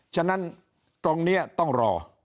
ฉะนั้นตรงนี้ต้องรอ